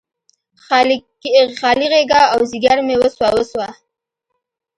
خالي غیږه او ځیګر مې وسوه، وسوه